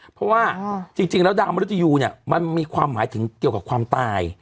เพราะว่าจริงแล้วดาวมนุษยูเนี่ยมันมีความหมายถึงเกี่ยวกับความตาย